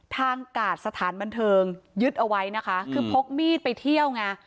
กาดสถานบันเทิงยึดเอาไว้นะคะคือพกมีดไปเที่ยวไง